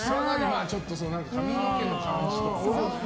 髪の毛の感じとか。